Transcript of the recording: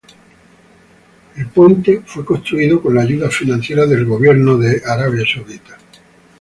El puente fue construido con la ayuda financiera del gobierno de Arabia Saudita.